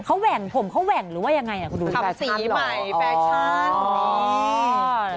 เขาแหว่งผมเขาแหว่งหรือว่าอย่างงี้ทำสีใหม่เพชัน